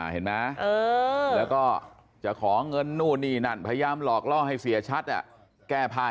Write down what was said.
เห็นไหมแล้วก็จะขอเงินนู่นนี่นั่นพยายามหลอกล่อให้เสียชัดแก้ผ้า